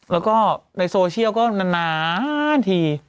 แล้วก็ในโซเชียลก็นานที